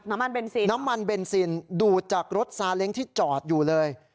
น้ำมันเบนซินน้ำมันเบนซินดูดจากรถซาเล้งที่จอดอยู่เลย